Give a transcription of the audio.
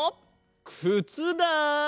くつだ！